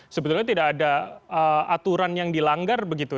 sebetulnya tidak ada aturan yang dilanggar begitu